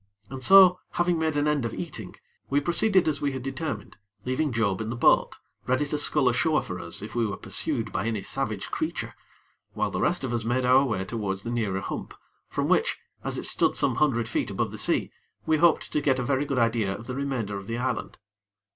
And so, having made an end of eating, we proceeded as we had determined, leaving Job in the boat, ready to scull ashore for us if we were pursued by any savage creature, while the rest of us made our way towards the nearer hump, from which, as it stood some hundred feet above the sea, we hoped to get a very good idea of the remainder of the island.